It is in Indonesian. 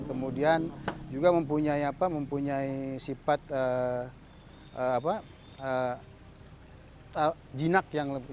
kemudian juga mempunyai sifat jinak